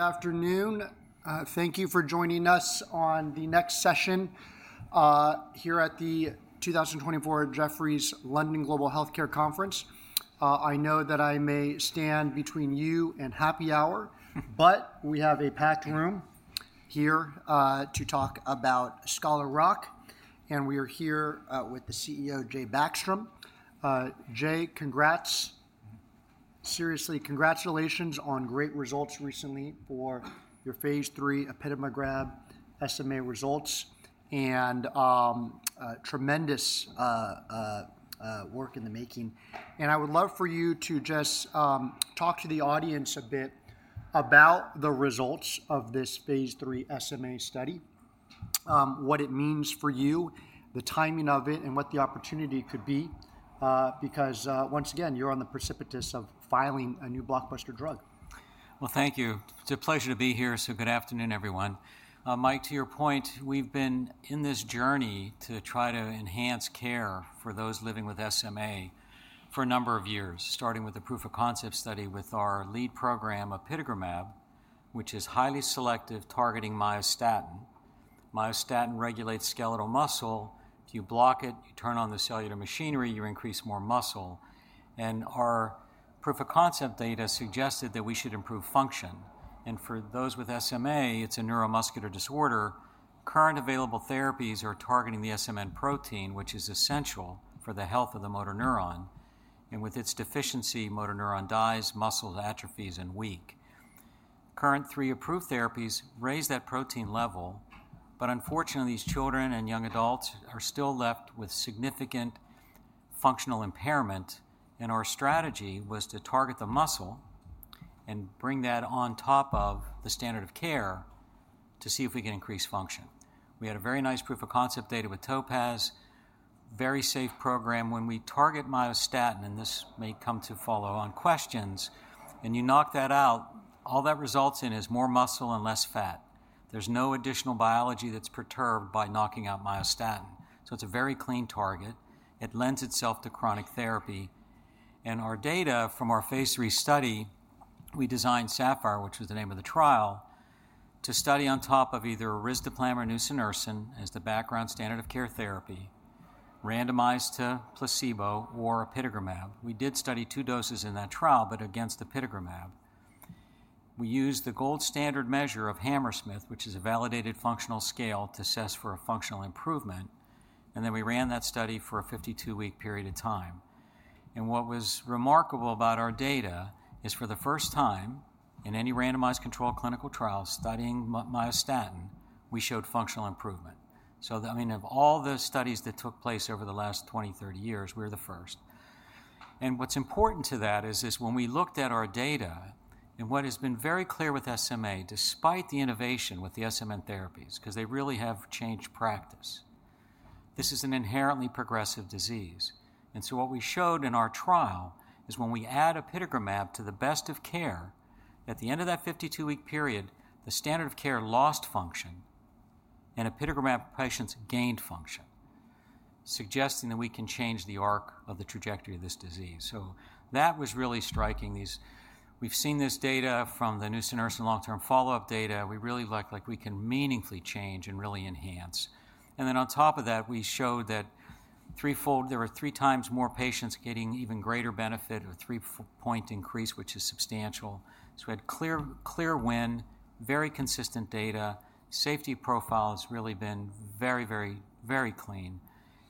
Good afternoon. Thank you for joining us on the next session here at the 2024 Jefferies London Global Healthcare Conference. I know that I may stand between you and happy hour, but we have a packed room here to talk about Scholar Rock, and we are here with the CEO, Jay Backstrom. Jay, congrats. Seriously, congratulations on great results recently for your phase III apitegromab SMA results and tremendous work in the making, and I would love for you to just talk to the audience a bit about the results of this phase 3 SMA study, what it means for you, the timing of it, and what the opportunity could be, because once again, you're on the precipice of filing a new blockbuster drug. Thank you. It's a pleasure to be here. Good afternoon, everyone. Mike, to your point, we've been in this journey to try to enhance care for those living with SMA for a number of years, starting with the proof of concept study with our lead program, apitegromab, which is highly selective, targeting myostatin. Myostatin regulates skeletal muscle. If you block it, you turn on the cellular machinery, you increase more muscle. Our proof of concept data suggested that we should improve function. For those with SMA, it's a neuromuscular disorder. Current available therapies are targeting the SMN protein, which is essential for the health of the motor neuron. With its deficiency, motor neuron dies, muscle atrophies, and weak. Current three approved therapies raise that protein level, but unfortunately, these children and young adults are still left with significant functional impairment. Our strategy was to target the muscle and bring that on top of the standard of care to see if we can increase function. We had a very nice proof of concept data with Topaz, a very safe program. When we target myostatin, and this may come to follow on questions, and you knock that out, all that results in is more muscle and less fat. There's no additional biology that's perturbed by knocking out myostatin. So, it's a very clean target. It lends itself to chronic therapy. And our data from our phase III study, we designed Sapphire, which was the name of the trial, to study on top of either isdiplam or nusinersen as the background standard of care therapy, randomized to placebo or apitegromab. We did study two doses in that trial, but against apitegromab. We used the gold standard measure of Hammersmith, which is a validated functional scale to assess for a functional improvement. Then we ran that study for a 52-week period of time. What was remarkable about our data is for the first time in any randomized controlled clinical trial studying myostatin, we showed functional improvement. I mean, of all the studies that took place over the last 20, 30 years, we're the first. What's important to that is when we looked at our data and what has been very clear with SMA, despite the innovation with the SMN therapies, because they really have changed practice, this is an inherently progressive disease. And so, what we showed in our trial is when we add apitegromab to the best of care, at the end of that 52-week period, the standard of care lost function and apitegromab patients gained function, suggesting that we can change the arc of the trajectory of this disease. So, that was really striking. We've seen this data from the nusinersen long-term follow-up data. We really look like we can meaningfully change and really enhance. And then on top of that, we showed that there were three times more patients getting even greater benefit or three-point increase, which is substantial. So, we had clear win, very consistent data. Safety profile has really been very, very, very clean.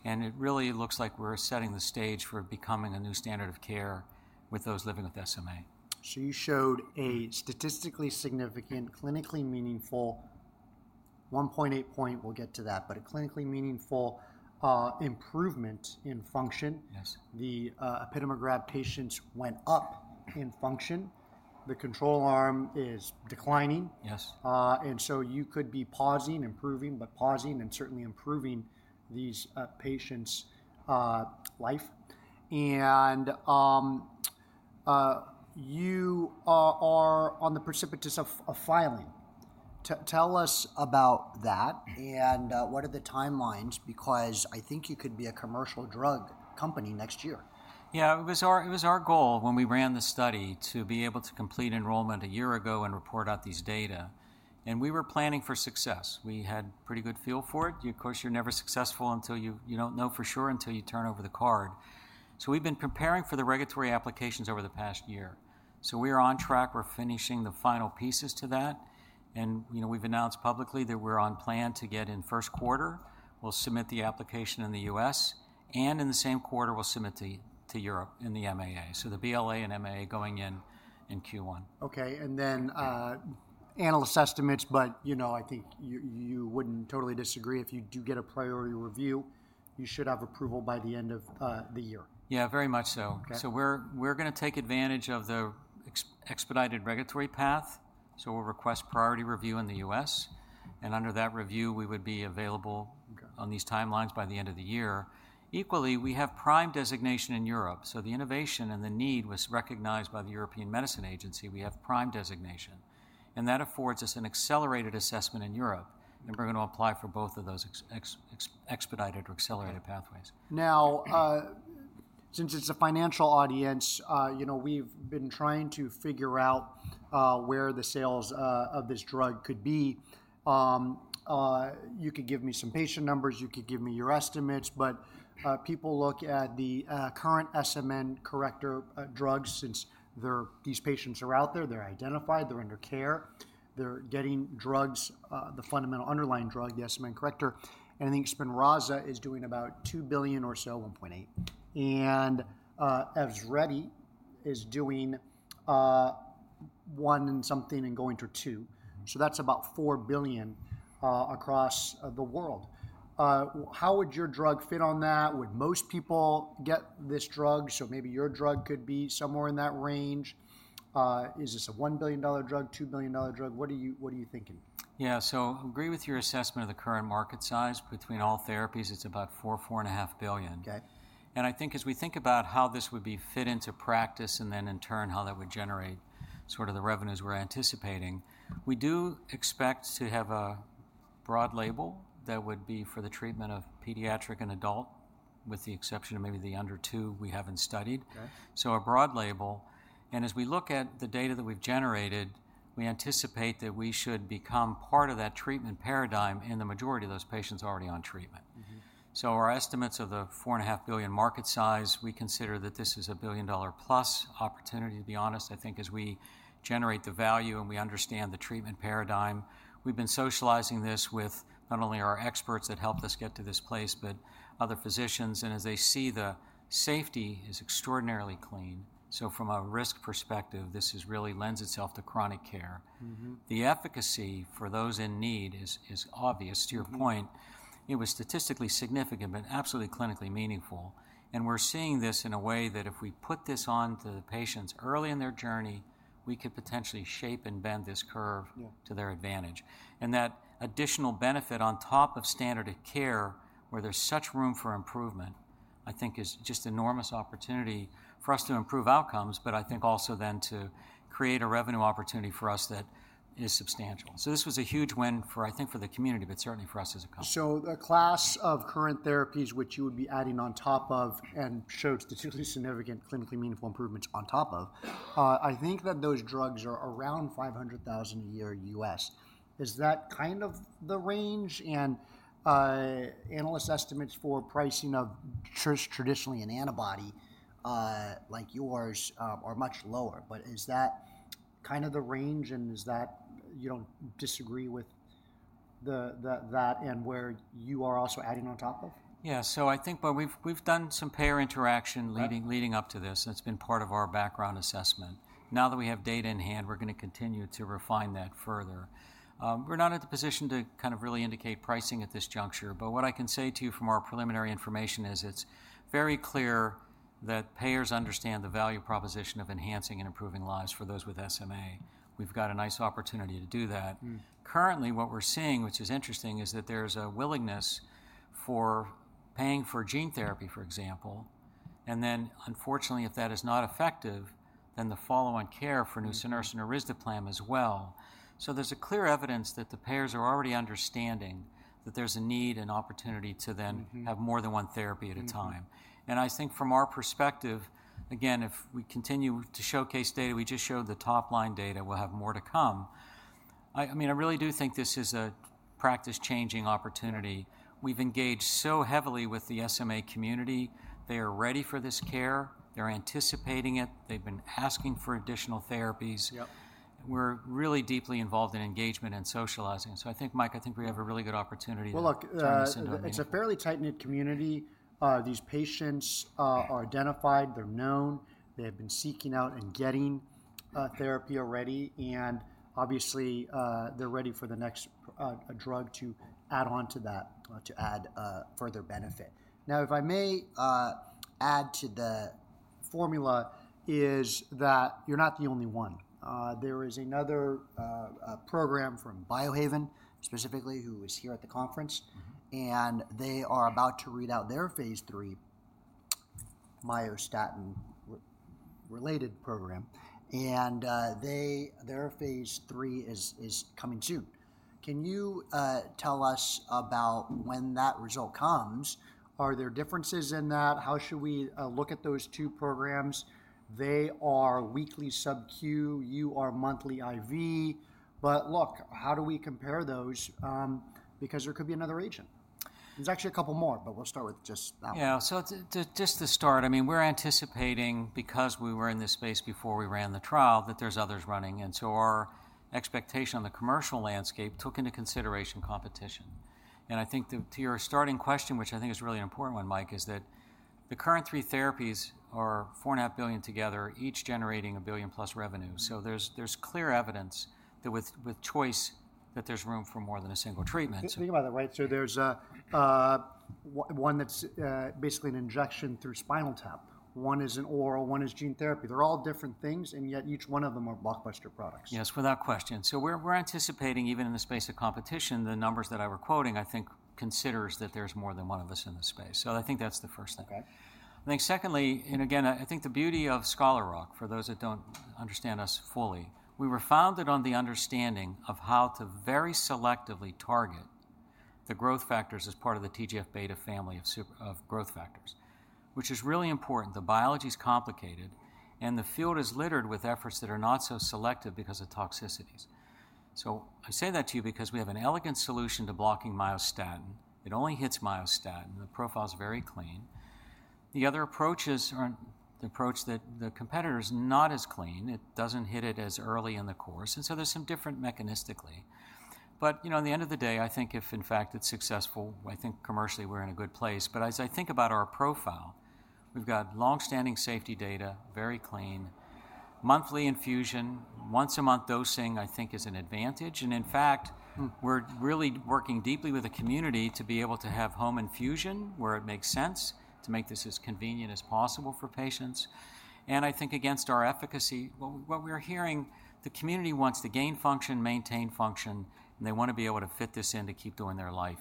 And it really looks like we're setting the stage for becoming a new standard of care with those living with SMA. So, you showed a statistically significant, clinically meaningful 1.8-point improvement in function. We'll get to that, but a clinically meaningful improvement in function. The Apitegromab patients went up in function. The control arm is declining. And so, you could be pausing, improving, but pausing and certainly improving these patients' life. And you are on the precipice of filing. Tell us about that and what are the timelines, because I think you could be a commercial drug company next year. Yeah, it was our goal when we ran the study to be able to complete enrollment a year ago and report out these data, and we were planning for success. We had pretty good feel for it. Of course, you're never successful until you don't know for sure until you turn over the card, so we've been preparing for the regulatory applications over the past year, so we are on track. We're finishing the final pieces to that, and we've announced publicly that we're on plan to get in Q1. We'll submit the application in the U.S., and in the same quarter, we'll submit to Europe in the MAA, so the BLA and MAA going in Q1. Okay. And then analyst estimates, but I think you wouldn't totally disagree. If you do get a Priority Review, you should have approval by the end of the year. Yeah, very much so. We're going to take advantage of the expedited regulatory path. We'll request Priority Review in the U.S. And under that review, we would be available on these timelines by the end of the year. Equally, we have PRIME designation in Europe. The innovation and the need was recognized by the European Medicines Agency. We have PRIME designation. And that affords us an accelerated assessment in Europe. We're going to apply for both of those expedited or accelerated pathways. Now, since it's a financial audience, we've been trying to figure out where the sales of this drug could be. You could give me some patient numbers. You could give me your estimates. But people look at the current SMN corrector drugs since these patients are out there, they're identified, they're under care, they're getting drugs, the fundamental underlying drug, the SMN corrector. And I think Spinraza is doing about $2 billion or so, $1.8 billion. And Evrysdi is doing $1 billion something and going to $2 billion. So, that's about $4 billion across the world. How would your drug fit on that? Would most people get this drug? So, maybe your drug could be somewhere in that range. Is this a $1 billion drug, $2 billion drug? What are you thinking? Yeah, so I agree with your assessment of the current market size. Between all therapies, it's about $4-$4.5 billion, and I think as we think about how this would be fit into practice and then in turn how that would generate sort of the revenues we're anticipating, we do expect to have a broad label that would be for the treatment of pediatric and adult, with the exception of maybe the under two we haven't studied. So, a broad label, and as we look at the data that we've generated, we anticipate that we should become part of that treatment paradigm in the majority of those patients already on treatment, so our estimates of the $4.5 billion market size, we consider that this is a $1 billion plus opportunity, to be honest. I think as we generate the value and we understand the treatment paradigm, we've been socializing this with not only our experts that helped us get to this place, but other physicians. And as they see the safety is extraordinarily clean. So, from a risk perspective, this really lends itself to chronic care. The efficacy for those in need is obvious. To your point, it was statistically significant, but absolutely clinically meaningful. And we're seeing this in a way that if we put this on to the patients early in their journey, we could potentially shape and bend this curve to their advantage. And that additional benefit on top of standard of care, where there's such room for improvement, I think is just enormous opportunity for us to improve outcomes, but I think also then to create a revenue opportunity for us that is substantial. So, this was a huge win for, I think, for the community, but certainly for us as a company. So, the class of current therapies, which you would be adding on top of and showed statistically significant, clinically meaningful improvements on top of, I think that those drugs are around $500,000 a year U.S. Is that kind of the range? And analyst estimates for pricing of just traditionally an antibody like yours are much lower. But is that kind of the range? And is that you don't disagree with that and where you are also adding on top of? Yeah, so I think we've done some payer interaction leading up to this. That's been part of our background assessment. Now that we have data in hand, we're going to continue to refine that further. We're not in the position to kind of really indicate pricing at this juncture. But what I can say to you from our preliminary information is it's very clear that payers understand the value proposition of enhancing and improving lives for those with SMA. We've got a nice opportunity to do that. Currently, what we're seeing, which is interesting, is that there's a willingness for paying for gene therapy, for example. And then, unfortunately, if that is not effective, then the follow-on care for nusinersen or risdiplam as well. So, there's clear evidence that the payers are already understanding that there's a need and opportunity to then have more than one therapy at a time. And I think from our perspective, again, if we continue to showcase data, we just showed the top line data, we'll have more to come. I mean, I really do think this is a practice-changing opportunity. We've engaged so heavily with the SMA community. They are ready for this care. They're anticipating it. They've been asking for additional therapies. We're really deeply involved in engagement and socializing. So, I think, Mike, I think we have a really good opportunity to turn this into a... Well, look, it's a fairly tight-knit community. These patients are identified. They're known. They have been seeking out and getting therapy already. And obviously, they're ready for the next drug to add on to that, to add further benefit. Now, if I may add to the formula is that you're not the only one. There is another program from Biohaven specifically, who is here at the conference. And they are about to read out their phase III myostatin-related program. And their phase III is coming soon. Can you tell us about when that result comes? Are there differences in that? How should we look at those two programs? They are weekly sub-Q. You are monthly IV. But look, how do we compare those? Because there could be another agent. There's actually a couple more, but we'll start with just that one. Yeah. So, just to start, I mean, we're anticipating, because we were in this space before we ran the trial, that there's others running. And so, our expectation on the commercial landscape took into consideration competition. And I think to your starting question, which I think is a really important one, Mike, is that the current three therapies are $4.5 billion together, each generating $1 billion plus revenue. So, there's clear evidence that with choice, that there's room for more than a single treatment. Speaking about that, right, so there's one that's basically an injection through spinal tap. One is an oral. One is gene therapy. They're all different things. And yet, each one of them are blockbuster products. Yes, without question. So, we're anticipating, even in the space of competition, the numbers that I were quoting, I think, considers that there's more than one of us in this space. So, I think that's the first thing. I think secondly, and again, I think the beauty of Scholar Rock, for those that don't understand us fully, we were founded on the understanding of how to very selectively target the growth factors as part of the TGF-beta family of growth factors, which is really important. The biology is complicated, and the field is littered with efforts that are not so selective because of toxicities. So, I say that to you because we have an elegant solution to blocking myostatin. It only hits myostatin. The profile is very clean. The other approach is the approach that the competitor is not as clean. It doesn't hit it as early in the course. And so, there's some different mechanistically. But, you know, at the end of the day, I think if, in fact, it's successful, I think commercially we're in a good place. But as I think about our profile, we've got long-standing safety data, very clean. Monthly infusion, once a month dosing, I think, is an advantage. And in fact, we're really working deeply with the community to be able to have home infusion where it makes sense to make this as convenient as possible for patients. And I think against our efficacy, what we are hearing, the community wants to gain function, maintain function, and they want to be able to fit this in to keep doing their life,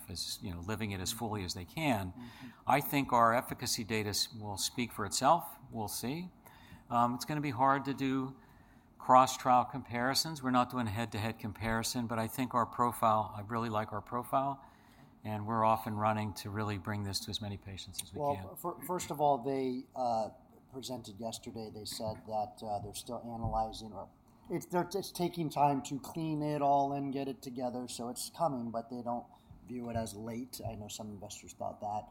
living it as fully as they can. I think our efficacy data will speak for itself. We'll see. It's going to be hard to do cross-trial comparisons. We're not doing a head-to-head comparison. But I think our profile, I really like our profile. And we're often running to really bring this to as many patients as we can. First of all, they presented yesterday. They said that they're still analyzing or they're just taking time to clean it all and get it together. So, it's coming, but they don't view it as late. I know some investors thought that.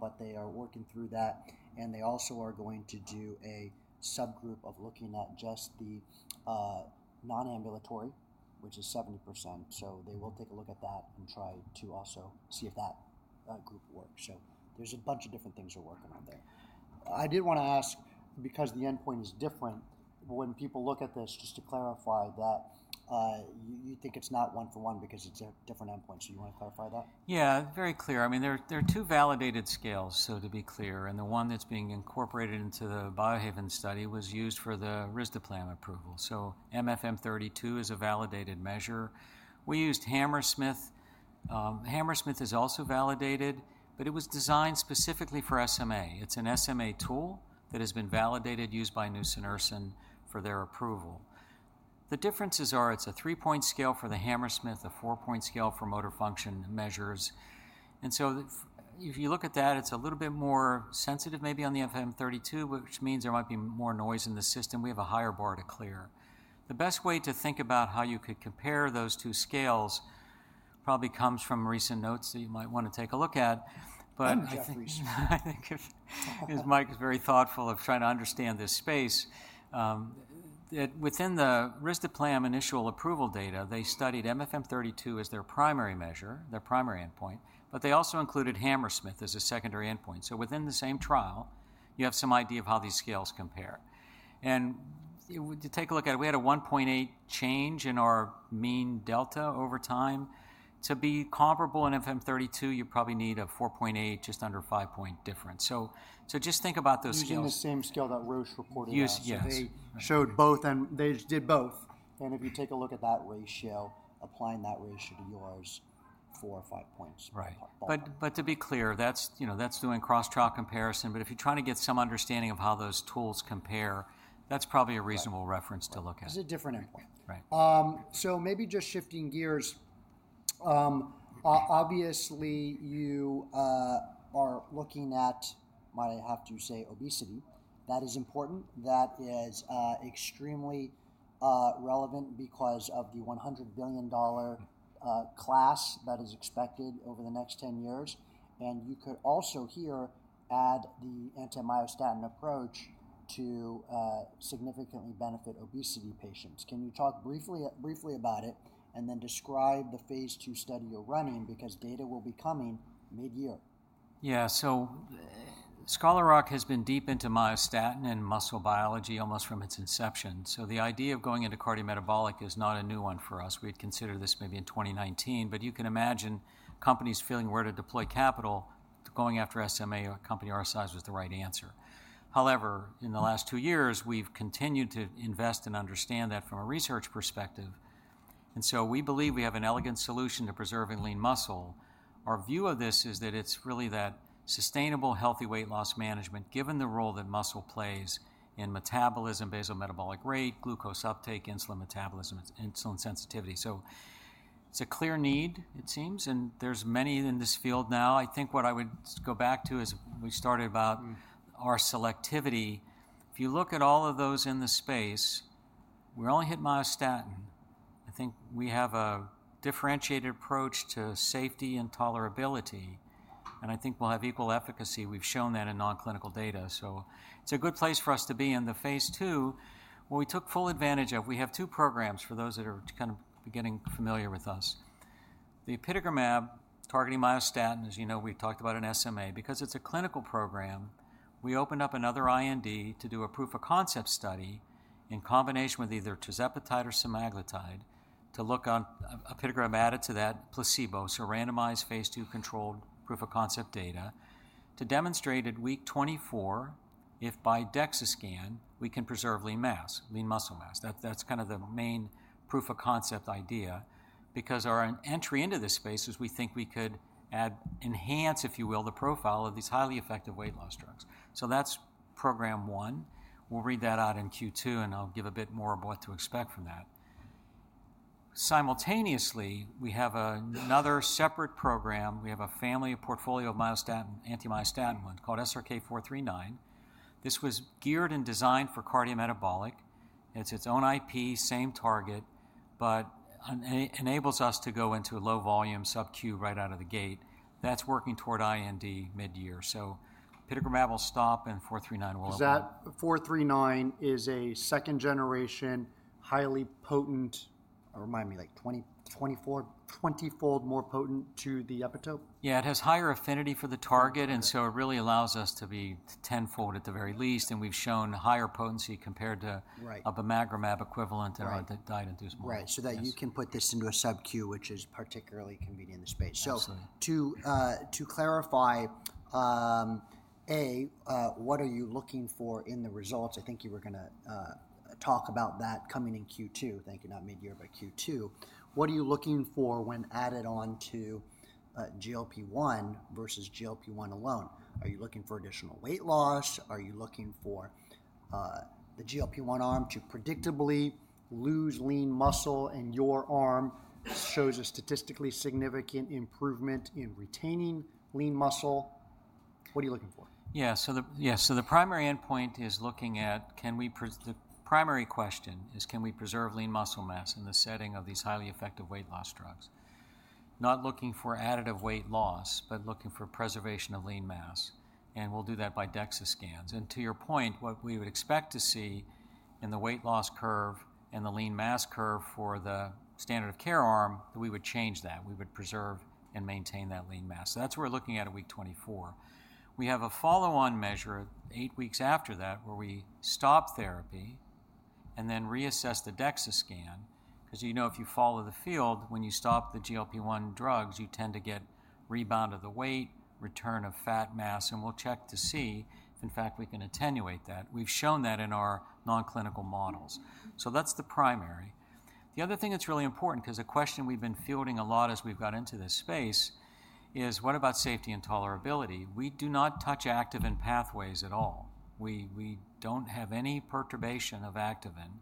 But they are working through that. And they also are going to do a subgroup of looking at just the non-ambulatory, which is 70%. So, they will take a look at that and try to also see if that group works. So, there's a bunch of different things they're working on there. I did want to ask, because the endpoint is different, when people look at this, just to clarify that you think it's not one for one because it's a different endpoint. So, you want to clarify that? Yeah, very clear. I mean, there are two validated scales, so to be clear. And the one that's being incorporated into the Biohaven study was used for the Risdiplam approval. So, MFM-32 is a validated measure. We used Hammersmith. Hammersmith is also validated, but it was designed specifically for SMA. It's an SMA tool that has been validated, used by Nusinersen for their approval. The differences are it's a three-point scale for the Hammersmith, a four-point scale for motor function measures. And so, if you look at that, it's a little bit more sensitive maybe on the MFM-32, which means there might be more noise in the system. We have a higher bar to clear. The best way to think about how you could compare those two scales probably comes from recent notes that you might want to take a look at. But I think Mike is very thoughtful of trying to understand this space. Within the Risdiplam initial approval data, they studied MFM-32 as their primary measure, their primary endpoint. But they also included Hammersmith as a secondary endpoint. So, within the same trial, you have some idea of how these scales compare. And to take a look at it, we had a 1.8 change in our mean delta over time. To be comparable in MFM-32, you probably need a 4.8, just under five-point difference. So, just think about those scales. Using the same scale that Roche reported on. Yes. They showed both, and they did both. And if you take a look at that ratio, applying that ratio to yours, four or five points. Right. But to be clear, that's doing cross-trial comparison. But if you're trying to get some understanding of how those tools compare, that's probably a reasonable reference to look at. This is a different endpoint. Right. Maybe just shifting gears, obviously, you are looking at, might I have to say, obesity. That is important. That is extremely relevant because of the $100 billion class that is expected over the next 10 years. You could also here add the anti-myostatin approach to significantly benefit obesity patients. Can you talk briefly about it and then describe the phase II study you're running? Because data will be coming mid-year. Yeah. So, Scholar Rock has been deep into myostatin and muscle biology almost from its inception. So, the idea of going into cardiometabolic is not a new one for us. We'd consider this maybe in 2019. But you can imagine companies feeling where to deploy capital going after SMA, a company our size was the right answer. However, in the last two years, we've continued to invest and understand that from a research perspective. And so, we believe we have an elegant solution to preserving lean muscle. Our view of this is that it's really that sustainable, healthy weight loss management, given the role that muscle plays in metabolism, basal metabolic rate, glucose uptake, insulin metabolism, insulin sensitivity. So, it's a clear need, it seems. And there's many in this field now. I think what I would go back to is we started about our selectivity. If you look at all of those in the space, we only hit myostatin. I think we have a differentiated approach to safety and tolerability, and I think we'll have equal efficacy. We've shown that in non-clinical data, so it's a good place for us to be in the phase II, well, we took full advantage of. We have two programs for those that are kind of getting familiar with us. The Apitegromab targeting myostatin, as you know, we've talked about in SMA. Because it's a clinical program, we opened up another IND to do a proof of concept study in combination with either tirzepatide or semaglutide to look on Apitegromab added to that placebo, so randomized phase II controlled proof of concept data to demonstrate at week 24, if by DEXA scan, we can preserve lean mass, lean muscle mass. That's kind of the main proof of concept idea. Because our entry into this space is we think we could add, enhance, if you will, the profile of these highly effective weight loss drugs. So, that's program one. We'll read that out in Q2, and I'll give a bit more of what to expect from that. Simultaneously, we have another separate program. We have a family portfolio of anti-myostatin ones called SRK-439. This was geared and designed for cardiometabolic. It's its own IP, same target, but enables us to go into a low volume sub-Q right out of the gate. That's working toward IND mid-year. So, Apitegromab will stop, and 439 will open up. Is that 439 a second-generation, highly potent, remind me, like 20-fold more potent to the epitope? Yeah, it has higher affinity for the target. And so, it really allows us to be 10-fold at the very least. And we've shown higher potency compared to a bimagrumab equivalent that I didn't induce more. Right. So that you can put this into a sub-Q, which is particularly convenient in the space. Absolutely. So, to clarify, A, what are you looking for in the results? I think you were going to talk about that coming in Q2. Thank you. Not mid-year, but Q2. What are you looking for when added on to GLP-1 versus GLP-1 alone? Are you looking for additional weight loss? Are you looking for the GLP-1 arm to predictably lose lean muscle? And your arm shows a statistically significant improvement in retaining lean muscle. What are you looking for? Yeah. So, the primary endpoint is looking at, can we, the primary question is, can we preserve lean muscle mass in the setting of these highly effective weight loss drugs? Not looking for additive weight loss, but looking for preservation of lean mass. And we'll do that by DEXA scans. And to your point, what we would expect to see in the weight loss curve and the lean mass curve for the standard of care arm, that we would change that. We would preserve and maintain that lean mass. So, that's what we're looking at week 24. We have a follow-on measure eight weeks after that where we stop therapy and then reassess the DEXA scan. Because, you know, if you follow the field, when you stop the GLP-1 drugs, you tend to get rebound of the weight, return of fat mass. And we'll check to see if, in fact, we can attenuate that. We've shown that in our non-clinical models. So, that's the primary. The other thing that's really important, because a question we've been fielding a lot as we've got into this space, is what about safety and tolerability? We do not touch activin pathways at all. We don't have any perturbation of activin.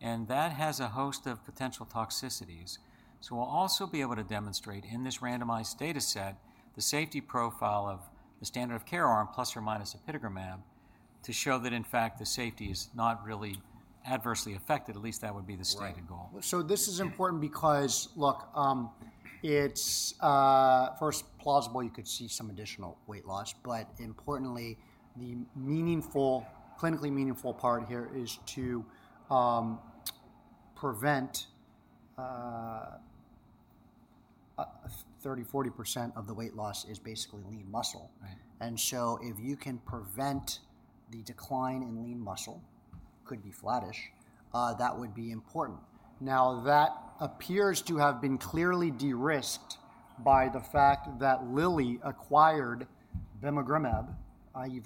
And that has a host of potential toxicities. So, we'll also be able to demonstrate in this randomized data set the safety profile of the standard of care arm, plus or minus Apitegromab, to show that, in fact, the safety is not really adversely affected. At least that would be the stated goal. Right. So, this is important because, look, it's first plausible you could see some additional weight loss. But importantly, the clinically meaningful part here is to prevent 30%, 40% of the weight loss is basically lean muscle. Right. And so, if you can prevent the decline in lean muscle, could be flattish, that would be important. Now, that appears to have been clearly de-risked by the fact that Lilly acquired Bimagrumab, i.e.,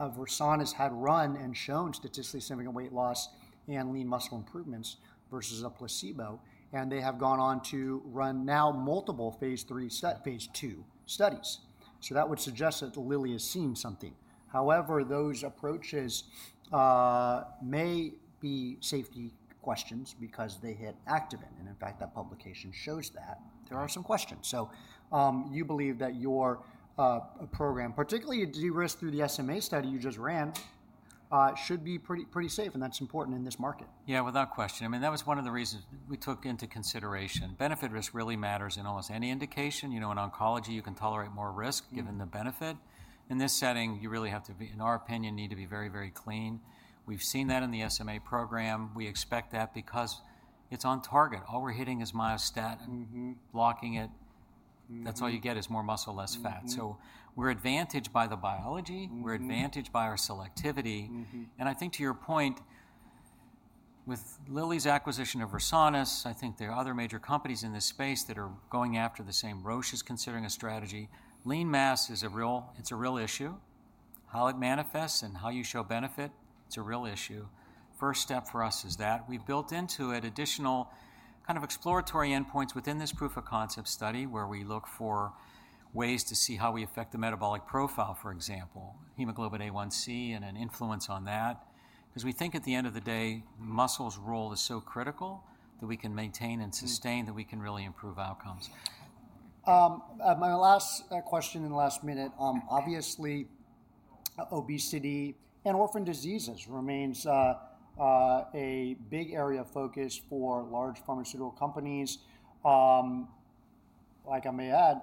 Versanis. Versanis had run and shown statistically significant weight loss and lean muscle improvements versus a placebo. And they have gone on to run now multiple phase II studies. So, that would suggest that Lilly has seen something. However, those approaches may be safety questions because they hit activin. And in fact, that publication shows that. There are some questions. So, you believe that your program, particularly de-risked through the SMA study you just ran, should be pretty safe. And that's important in this market. Yeah, without question. I mean, that was one of the reasons we took into consideration. Benefit risk really matters in almost any indication. You know, in oncology, you can tolerate more risk given the benefit. In this setting, you really have to, in our opinion, need to be very, very clean. We've seen that in the SMA program. We expect that because it's on target. All we're hitting is myostatin, blocking it. That's all you get is more muscle, less fat. So, we're advantaged by the biology. We're advantaged by our selectivity. And I think to your point, with Lilly's acquisition of Versanis, I think there are other major companies in this space that are going after the same. Roche is considering a strategy. Lean mass is a real issue. It's a real issue. How it manifests and how you show benefit, it's a real issue. First step for us is that. We've built into it additional kind of exploratory endpoints within this proof of concept study where we look for ways to see how we affect the metabolic profile, for example, hemoglobin A1C and an influence on that. Because we think at the end of the day, muscle's role is so critical that we can maintain and sustain that we can really improve outcomes. My last question in the last minute. Obviously, obesity and orphan diseases remains a big area of focus for large pharmaceutical companies. Like I may add,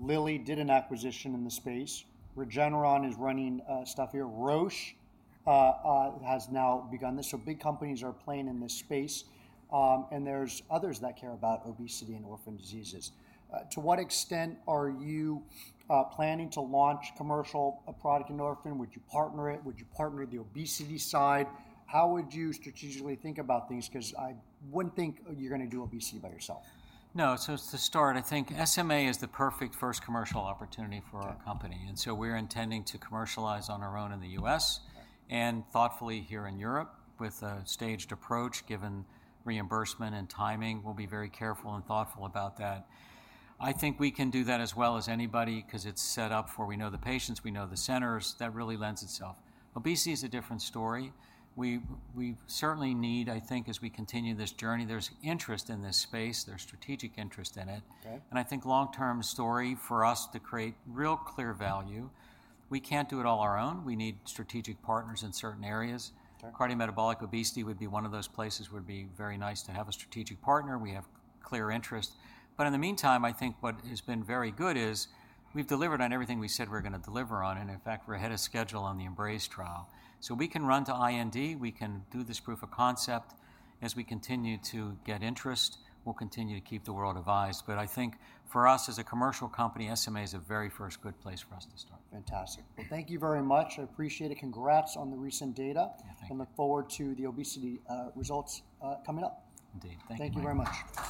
Lilly did an acquisition in the space. Regeneron is running stuff here. Roche has now begun this. So, big companies are playing in this space. And there's others that care about obesity and orphan diseases. To what extent are you planning to launch commercial a product in orphan? Would you partner it? Would you partner the obesity side? How would you strategically think about things? Because I wouldn't think you're going to do obesity by yourself. No. So, to start, I think SMA is the perfect first commercial opportunity for our company. And so, we're intending to commercialize on our own in the U.S. and thoughtfully here in Europe with a staged approach given reimbursement and timing. We'll be very careful and thoughtful about that. I think we can do that as well as anybody because it's set up for we know the patients, we know the centers. That really lends itself. Obesity is a different story. We certainly need, I think, as we continue this journey, there's interest in this space. There's strategic interest in it. And I think long-term story for us to create real clear value. We can't do it all our own. We need strategic partners in certain areas. Cardiometabolic obesity would be one of those places where it would be very nice to have a strategic partner. We have clear interest. But in the meantime, I think what has been very good is we've delivered on everything we said we're going to deliver on. And in fact, we're ahead of schedule on the EMBRAZE trial. So, we can run to IND. We can do this proof of concept. As we continue to get interest, we'll continue to keep the world advised. But I think for us as a commercial company, SMA is a very first good place for us to start. Fantastic. Well, thank you very much. I appreciate it. Congrats on the recent data. Yeah, thank you. I look forward to the obesity results coming up. Indeed. Thank you. Thank you very much.